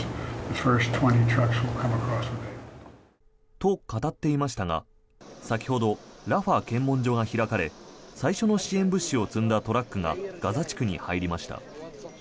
と、語っていましたが先ほどラファ検問所が開かれ最初の支援物資を積んだトラックがガザ地区に入りました。